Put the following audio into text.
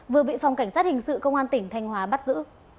vừa bị phòng cảnh sát hình sự công an tỉnh thanh hóa bắt giữ